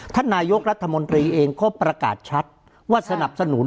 ท่านนายกรัฐมนตรีเองก็ประกาศชัดว่าสนับสนุน